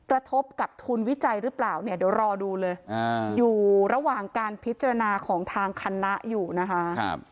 กระทบกับทุนวิจัยหรือเปล่าเนี่ยเดี๋ยวรอดูเลยอยู่ระหว่างการพิจารณาของทางคณะอยู่นะคะ